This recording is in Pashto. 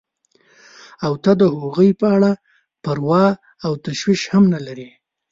او ته د هغوی په اړه پروا او تشویش هم نه لرې.